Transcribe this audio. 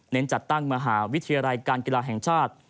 จัดตั้งมหาวิทยาลัยการกีฬาแห่งชาติ